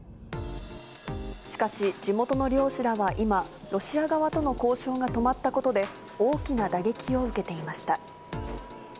しかし、地元の漁師らは今、ロシア側との交渉が止まったことで、大きな打撃を受けていました。